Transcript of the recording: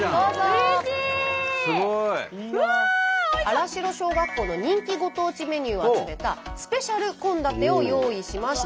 新城小学校の人気ご当地メニューを集めたスペシャル献立を用意しました。